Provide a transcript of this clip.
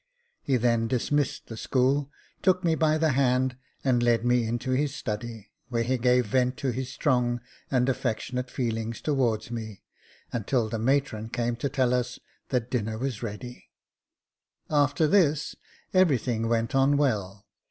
He then dismissed the school, took me by the hand, and led me into his study, where he gave vent to his strong and affectionate feelings towards me, until the matron came to tell us that dinner was ready. Jacob Faithful 43 After this, everything went on well.